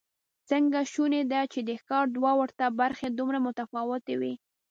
څنګه شونې ده چې د ښار دوه ورته برخې دومره متفاوتې وي؟